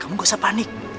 kamu gak usah panik